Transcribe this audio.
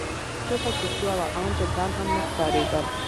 چوپه چوپتيا وه آن چرګان هم نه ښکارېدل.